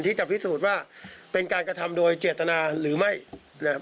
ที่จะพิสูจน์ว่าเป็นการกระทำโดยเจตนาหรือไม่นะครับ